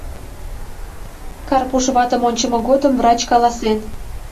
Карпуш ватым ончымо годым врач каласен: